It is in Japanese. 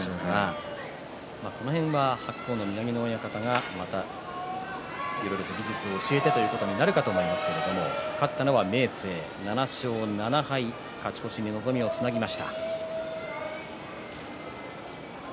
その辺は白鵬の宮城野親方がいろいろ技術を教えてということになるかと思いますが勝ったのは明生７勝７敗勝ち越しに望みをつなぎました。